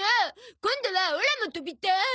今度はオラも跳びたい。